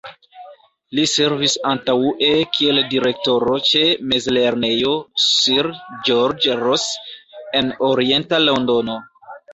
Li servis antaŭe kiel Direktoro ĉe Mezlernejo Sir George Ross en orienta Londono.